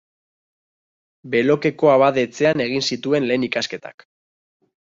Belokeko abade-etxean egin zituen lehen ikasketak.